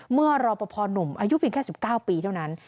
เมื่อรอประพอหนุ่มอายุเพียงแค่๑๙ปีเท่านั้น